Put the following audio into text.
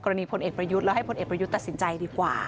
พลีพลเอกประยุทธ์แล้วให้พลเอกประยุทธ์ตัดสินใจดีกว่า